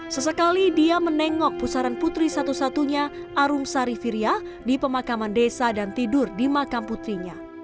sesekali dia menengok pusaran putri satu satunya arumsari firia di pemakaman desa dan tidur di makam putrinya